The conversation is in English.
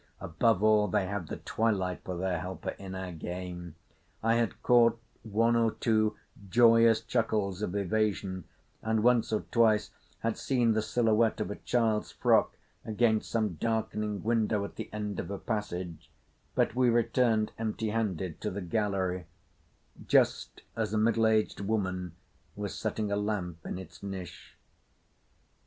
Above all, they had the twilight for their helper in our game. I had caught one or two joyous chuckles of evasion, and once or twice had seen the silhouette of a child's frock against some darkening window at the end of a passage; but we returned empty handed to the gallery, just as a middle aged woman was setting a lamp in its niche.